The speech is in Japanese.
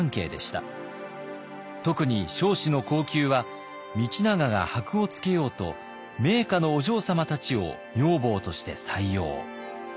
特に彰子の後宮は道長がはくをつけようと名家のお嬢様たちを女房として採用。